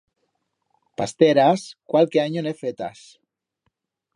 Pasteras cualque anyo en he fetas.